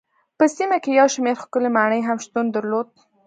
په سیمه کې یو شمېر ښکلې ماڼۍ هم شتون درلود.